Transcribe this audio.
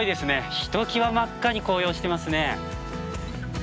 ひときわ真っ赤に紅葉してますね。